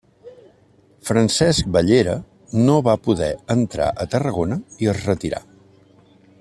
Francesc Bellera no va poder entrar a Tarragona, i es retirà.